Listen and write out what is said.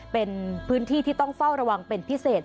เป็นพื้นที่ที่ต้องเฝ้าระวังเป็นพิเศษ